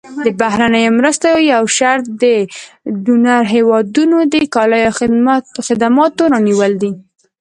د بهرنیو مرستو یو شرط د ډونر هېوادونو د کالیو او خدماتو رانیول دي.